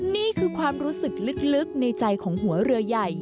นี่คือความรู้สึกลึกในใจของหัวเรือใหญ่